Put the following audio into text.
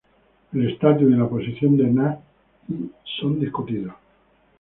El estatus y la posición de Nath Í son discutidos.